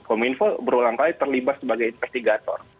kominfo berulang kali terlibat sebagai investigator